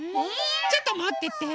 ちょっともってて。